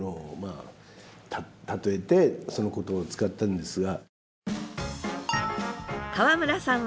例えてそのことを使ったんですが。